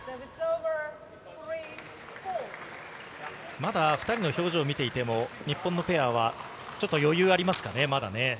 まだ２人の表情見ていても、日本のペアは、ちょっと余裕ありますかね、まだね。